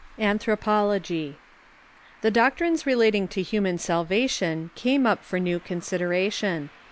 The doctrines relating to human salvation came up for new consideration.